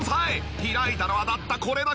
開いたのはたったこれだけ！